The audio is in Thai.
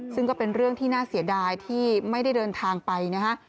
ซึ่งก็เป็นเรื่องที่น่าเสียดายที่ไม่ได้เดินทางไปนะฮะ